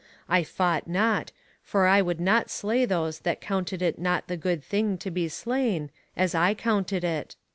I fought not, for I would not slay those that counted it not the good thing to be slain, as I counted it.